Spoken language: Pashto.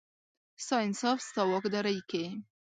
ستا انصاف، ستا واکدارۍ کې،